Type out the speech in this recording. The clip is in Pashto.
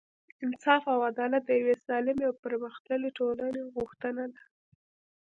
انصاف او عدالت د یوې سالمې او پرمختللې ټولنې غوښتنه ده.